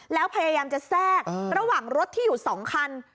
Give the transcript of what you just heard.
แล้วพยายามจะแทรกระหว่างรถที่อยู่๒คัน